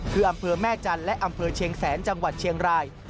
คืออำเภอแม่จันทร์และอำเภอเชียงแสนจังหวัดเชียงราย